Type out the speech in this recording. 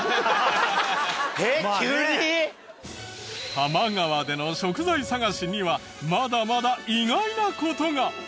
多摩川での食材探しにはまだまだ意外な事が！